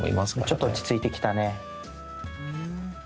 ちょっと落ち着いてきたね。